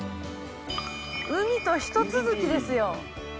海と一続きですよ。